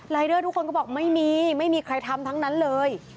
เดอร์ทุกคนก็บอกไม่มีไม่มีใครทำทั้งนั้นเลย